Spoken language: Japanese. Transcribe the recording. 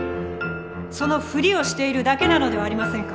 そのフリをしているだけなのではありませんか？